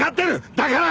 だから！